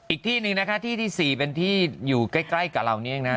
อีกที่หนึ่งนะคะที่ที่๔เป็นที่อยู่ใกล้กับเราเนี่ยนะ